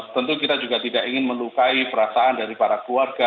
tentu kita juga tidak ingin melukai perasaan dari para keluarga